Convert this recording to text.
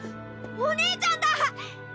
お姉ちゃんだ！